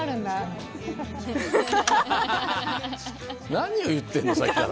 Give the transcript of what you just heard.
何を言ってるのさっきから。